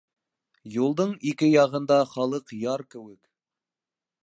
Юлдың ике яғында халыҡ яр кеүек.